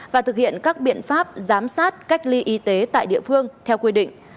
và thực hiện các biện pháp giám sát cách ly y tế tại địa phương theo quy định